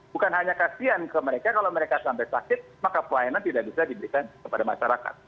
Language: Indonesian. bukan hanya kasihan ke mereka kalau mereka sampai sakit maka pelayanan tidak bisa diberikan kepada masyarakat